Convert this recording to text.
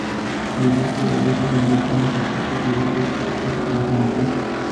El resto de voces son visiones y puntos de vista históricos del mismo autor.